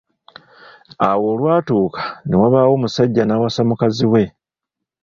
Awo olwatuuka ne wabaawo omusajja n’awasa mukazi we.